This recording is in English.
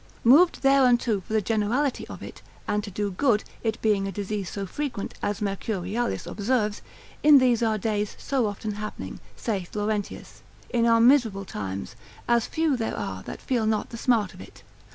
Moved thereunto for the generality of it, and to do good, it being a disease so frequent, as Mercurialis observes, in these our days; so often happening, saith Laurentius, in our miserable times, as few there are that feel not the smart of it.